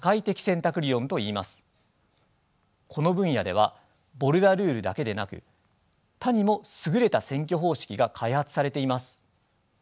この分野ではボルダルールだけでなく他にも優れた選挙方式が開発されています。